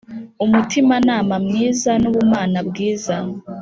umutimanama mwiza nubumana bwiza